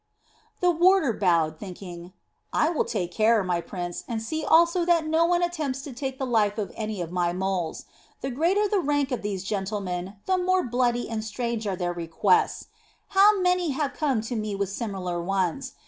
The warder bowed, thinking: "I'll take care, my prince, and also see that no one attempts to take the life of any of my moles. The greater the rank of these gentlemen, the more bloody and strange are their requests! How many have come to me with similar ones.